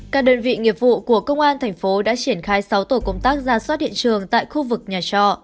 các đơn vị nghiệp vụ của công an thành phố đã triển khai sáu tổ công tác ra soát hiện trường tại khu vực nhà trọ